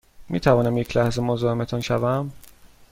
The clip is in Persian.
می توانم یک لحظه مزاحمتان شوم؟